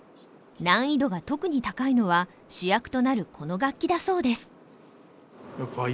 難易度が特に高いのは主役となるこの楽器だそうです。